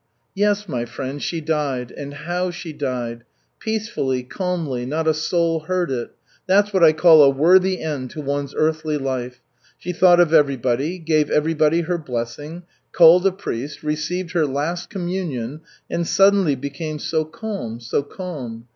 "Yes, my friend, she died. And how she died! Peacefully, calmly, not a soul heard it. That's what I call a worthy end to one's earthly life. She thought of everybody, gave everybody her blessing, called a priest, received her last communion, and suddenly became so calm, so calm!